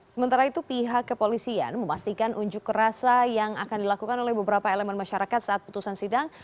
sementara itu pihak kepolisian memastikan unjuk rasa yang akan dilakukan oleh beberapa elemen masyarakat saat putusan sidang